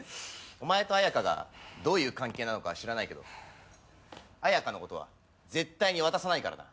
お前とアヤカがどういう関係なのか知らないけどアヤカのことは絶対に渡さないからな。